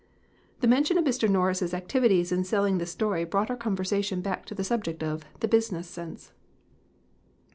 The mention of Mr. Norris's activities in selling this story brought our conversation back to the subject of the " business sense."